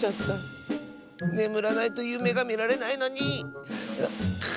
ねむらないとゆめがみられないのに！